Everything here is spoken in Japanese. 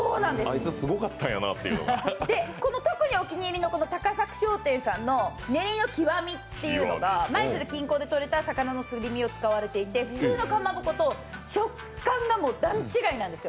この特にお気に入りの、高作商店さんの練の極っていうのが舞鶴近郊でとれた魚のすり身を使われていて普通のかまぼこと食感が段違いなんですよ。